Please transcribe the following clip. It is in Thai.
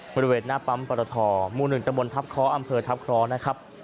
บริเวณหน้าปั๊มปรถอมูลหนึ่งตะบนทัพคล้ออำเภอทัพคล้อนะครับ